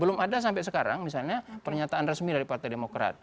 belum ada sampai sekarang misalnya pernyataan resmi dari dpp